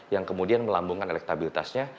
yang kemudian melambungkan elektabilitasnya